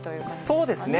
そうですね。